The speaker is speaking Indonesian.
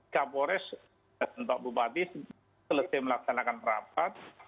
kapolres dan pak bupati selesai melaksanakan rapat